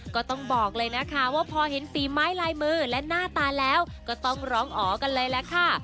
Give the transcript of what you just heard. ก็ต้องบอกเลยนะคะว่าพอเห็นฝีไม้ลายมือและหน้าตาแล้วก็ต้องร้องอ๋อกันเลยแหละค่ะ